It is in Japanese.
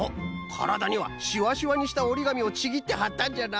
からだにはしわしわにしたおりがみをちぎってはったんじゃな。